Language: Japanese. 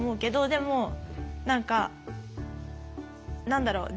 でも何か何だろう。